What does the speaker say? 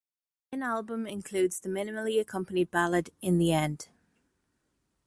In album includes the minimally-accompanied ballad "In the End".